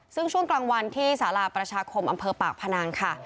ซึ่งช่วงกลางวันที่สาราประชาคมอำเภอปากพนังค่ะ